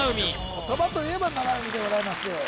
言葉といえば七海でございます